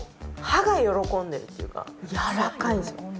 歯が喜んでるっていうかやわらかいんですよ。